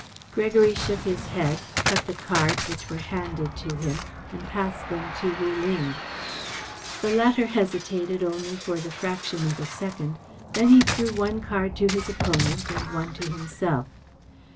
Gregory shook his head, cut the cards which were handed to him, and passed them to Wu Ling. The latter hesitated only for the fraction of a second. Then he threw one card to his opponent and one to himself.